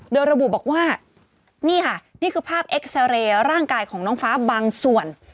โดยระบุบอกว่านี่ค่ะนี่คือภาพเอ็กซาเรย์ร่างกายของน้องฟ้าบางส่วน